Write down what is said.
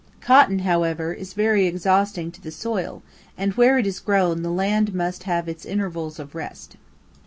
Cotton, however, is very exhausting to the soil, and where it is grown the land must have its intervals of rest.